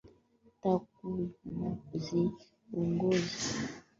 kituo cha utafiti wa afya ya uzazi kilitoa takwimu za ugonjwa